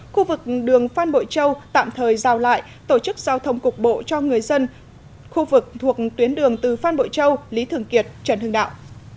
khu vực đường phan bội châu tạm thời rào lại tổ chức giao thông cục bộ cho người dân khu vực thuộc tuyến đường từ phan bội châu lý thường kiệt trần hưng đạo